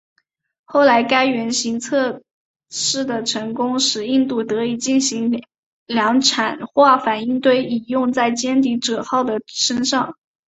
后来该原型测试的成功使印度得以进行量产化反应堆以用在歼敌者号的身上。